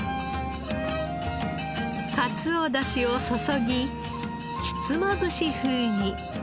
かつお出汁を注ぎひつまぶし風に。